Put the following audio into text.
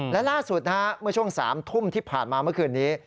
และล่าสุดเมื่อช่วง๓ทุ่มที่ผ่านมาเมื่อคืนนี้